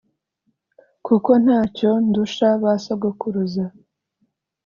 kuko nta cyo ndusha ba sogokuruza